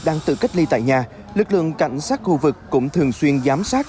đang tự cách ly tại nhà lực lượng cảnh sát khu vực cũng thường xuyên giám sát